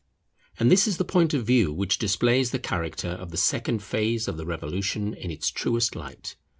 And this is the point of view which displays the character of the second phase of the Revolution in its truest light.